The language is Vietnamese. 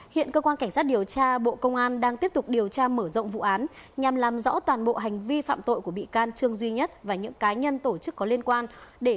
hiện cơ quan cảnh sát điều tra bộ công an đang tiếp tục điều tra mở rộng vụ án nhằm làm rõ toàn bộ hành vi phạm tội của bị can trương duy nhất và những cá nhân tổ chức có liên quan